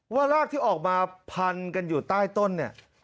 รากที่ออกมาพันกันอยู่ใต้ต้นเนี่ย